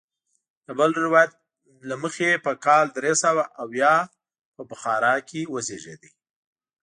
د بل روایت له مخې په کال درې سوه اویا په بخارا کې وزیږېد.